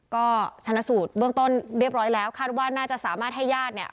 ก็ชนะสูตรเบื้องต้นเรียบร้อยแล้วคาดว่าน่าจะสามารถให้ญาติเนี่ย